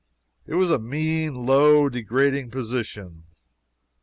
It was a mean, low, degrading position.